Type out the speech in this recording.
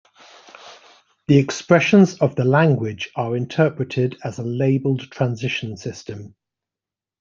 The expressions of the language are interpreted as a labelled transition system.